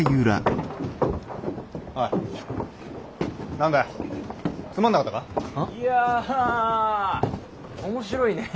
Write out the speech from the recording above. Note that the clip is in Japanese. あ？いや面白いね。